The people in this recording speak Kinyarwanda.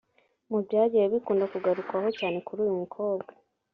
Mu byagiye bikunda kugarukwaho cyane kuri uyu mukobwa